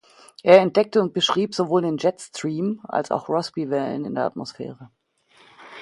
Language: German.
Er entdeckte und beschrieb sowohl den Jetstream als auch Rossby-Wellen in der Atmosphäre.